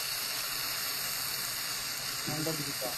এভাবে চলতে চলতে হঠাৎ একদিন তিনি জানতে পারেন কেঁচো জৈব সার সম্পর্কে।